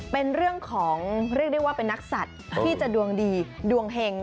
เป็นเรื่องของเรียกได้ว่าเป็นนักสัตว์ที่จะดวงดีดวงเห็ง